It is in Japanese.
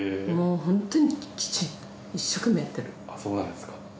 そうなんですか。